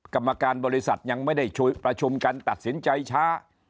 กรรมการบริษัทยังไม่ได้ประชุมกันตัดสินใจช้า